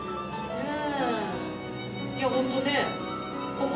うん。